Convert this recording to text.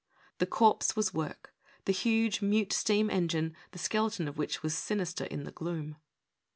The corpse was work, the huge, mute steam engine, the skeleton of which was sinister in the gloom.